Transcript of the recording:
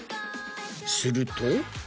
すると。